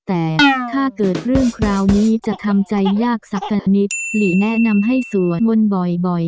แต่ถ้าเกิดเรื่องคราวนี้จะทำใจยากสักนิดหลีแนะนำให้สวดมนต์บ่อย